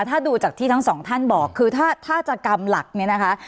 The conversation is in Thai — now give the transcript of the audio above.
ถ้าดูจากที่ทั้งสองท่านบอกคือถ้าจะกรรมหลักเนี่ยนะคะ